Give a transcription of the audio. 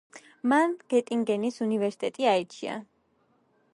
მან გეტინგენის უნივერსიტეტი აირჩია.